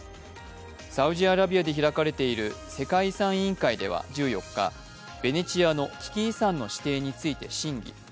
サウジアラビアで開かれている世界遺産委員会では１４日、ベネチアの危機遺産の指定について審議。